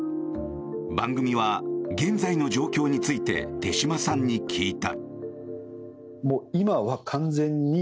番組は現在の状況について手島さんに聞いた。